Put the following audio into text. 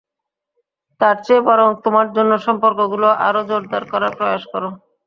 তার চেয়ে বরং তোমার অন্য সম্পর্কগুলো আরও জোরদার করার প্রয়াস করো।